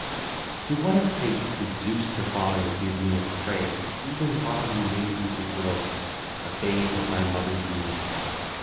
IV. (17 lines) (ll. 1 17) To what a fate did Zeus the Father give me a prey even while he made me to grow, a babe at my mother's knee!